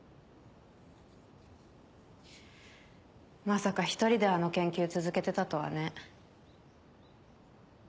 まさか１人であの研究続けてたとはね。